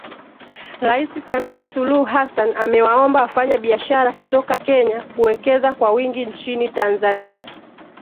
Rais Samia Suluhu Hassan amewaomba wafanyabiashara kutoka Kenya kuwekeza kwa wingi nchini Tanzania